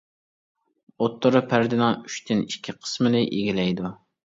ئوتتۇرا پەردىنىڭ ئۈچتىن ئىككى قىسمىنى ئىگىلەيدۇ.